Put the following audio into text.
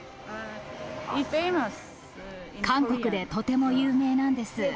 韓国でとても有名なんです。